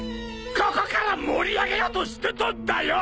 ここから盛り上げようとしてたんだよ！